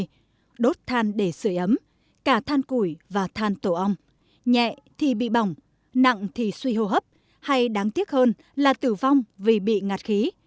năm nào cũng vậy đốt than để sửa ấm cả than củi và than tổ ong nhẹ thì bị bỏng nặng thì suy hô hấp hay đáng tiếc hơn là tử vong vì bị ngạt khí